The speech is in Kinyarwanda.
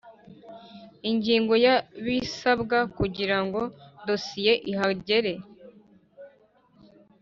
Ingingo ya Ibisabwa kugira ngo dosiye ihagere